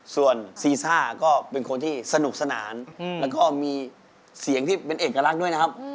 ส่วนซีซ่าก็เป็นคนที่สนุกสนานแล้วก็มีเสียงที่เป็นเอกลักษณ์ด้วยนะครับ